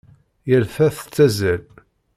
Yal ta tettazzal.